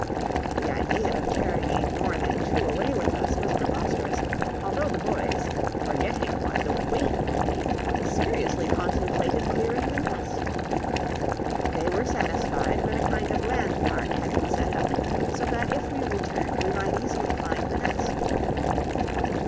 The idea of carrying more than two away with us was preposterous, although the boys, forgetting what the weight would be, seriously contemplated clearing the nest. They were satisfied when a kind of landmark had been set up, so that if we returned we might easily find the nest.